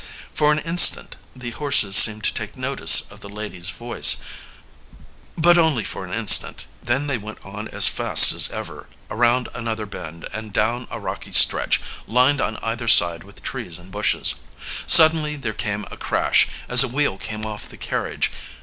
For an instant the horses seemed to take notice of the lady's voice, but only for an instant; then they went on as fast as ever, around another bend, and down a rocky stretch, lined on either side with trees and bushes. Suddenly there came a crash, as a wheel came off the carriage.